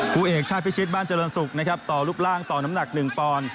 ผู้เอกชาติพิชิตบ้านเจริญศุกร์นะครับต่อรูปร่างต่อน้ำหนัก๑ปอนด์